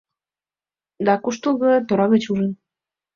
Да куштылго, тора гыч ужын